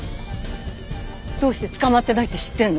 どうして捕まってないって知ってんの？